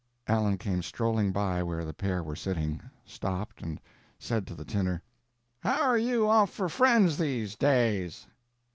Allen came strolling by where the pair were sitting; stopped, and said to the tinner; "How are you off for friends, these days?"